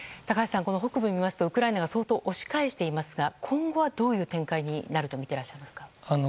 高橋さん、北部を見ますとウクライナが相当押し返していますが今後はどういう展開になるとみていらっしゃいますか？